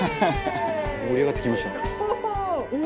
「盛り上がってきましたね」